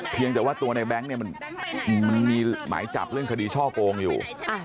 เพียงแต่ว่าตัวในแบงค์เนี่ยมันมีหมายจับเรื่องคดีช่อโกงอยู่